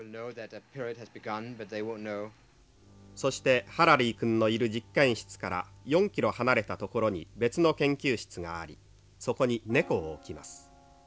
「そしてハラリー君のいる実験室から４キロ離れた所に別の研究室がありそこに猫を置きます」。